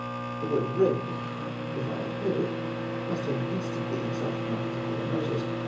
The word " RED," if I had heard it, must have instantly excited my particular notice.